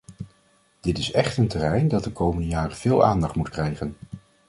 Dit is echt een terrein dat de komende jaren veel aandacht moet krijgen.